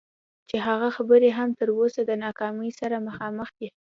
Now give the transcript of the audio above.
چې هغه خبرې هم تر اوسه د ناکامۍ سره مخامخ دي.